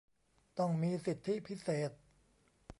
ต้องมีสิทธิพิเศษ